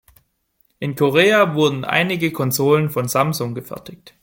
In Korea wurden einige Konsolen von Samsung gefertigt.